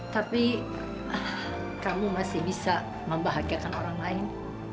tapi kamu masih bisa membahagiakan orang lain